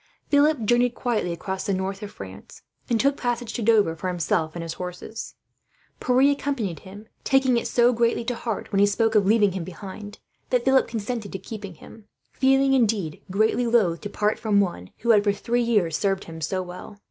Philip journeyed quietly across the north of France, and took passage to Dover for himself and his horses. Pierre accompanied him, taking it so greatly to heart, when he spoke of leaving him, behind that Philip consented to keep him; feeling, indeed, greatly loath to part from one who had, for three years, served him so well.